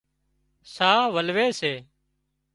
ساهَه ولوي سي